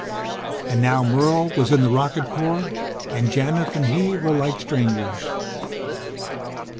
And now Merle was in the rocket corps and Janith and he were like strangers.